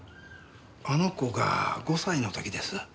あの子が５歳の時です。